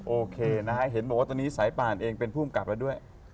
โอเคนะฮะเห็นบอกว่าตอนนี้สายป่านเองเป็นผู้กำกับแล้วด้วย